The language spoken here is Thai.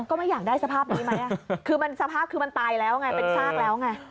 ก็ไม่อยากได้สภาพนี้ไหมคือมันสภาพคือมันตายแล้วไงเป็นซากแล้วไง